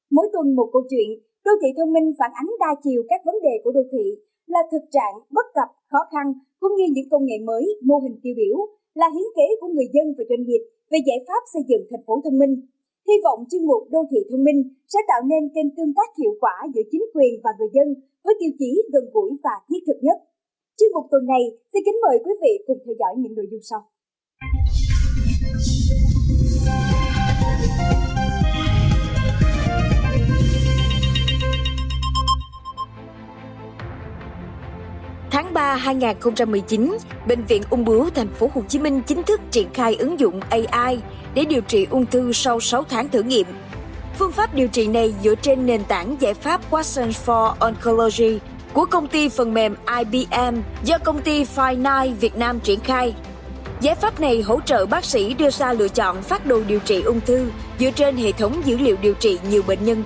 mỗi tuần một câu chuyện đô thị thông minh phản ánh đa chiều các vấn đề của đô thị là thực trạng bất cập khó khăn cũng như những công nghệ mới mô hình tiêu biểu là hiến kế của người dân và doanh nghiệp về giải pháp xây dựng thành phố thông minh